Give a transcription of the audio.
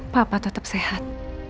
papa tetap sehat